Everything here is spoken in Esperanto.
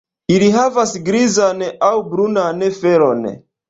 Ili havas grizan aŭ brunan felon.